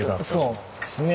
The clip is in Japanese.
そうですね。